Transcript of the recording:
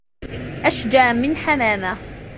أشجى من حمامة